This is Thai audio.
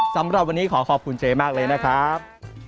สำหรับวันนี้ขอขอบคุณเจ๊มากเลยนะครับ